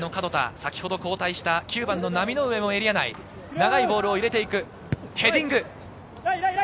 先ほど交代した９番・浪上もエリア内、長いボールを入れるヘディング。